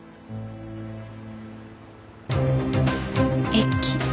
駅